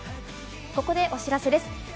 ここでお知らせです。